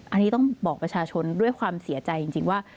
อันนี้ต้องบอกประชาชนด้วยความเสียใจจริงว่า